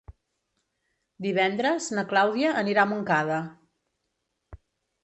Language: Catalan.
Divendres na Clàudia anirà a Montcada.